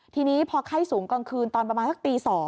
ทีนี้พอไข้สูงกลางคืนตอนประมาณสักตี๒